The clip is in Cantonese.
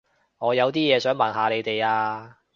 我有啲嘢想問下你哋啊